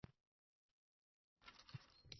Najot halqasiga darhol uzat qo’l.